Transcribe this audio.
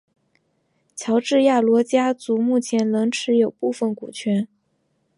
乔治亚罗家族目前仍持有部份股权。